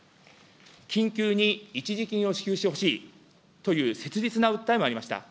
緊急に一時金を支給してほしいという切実な訴えもありました。